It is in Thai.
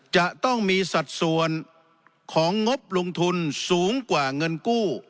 จะต้องมีสัดส่วนของงบลงทุนสูงกว่าเงินกู้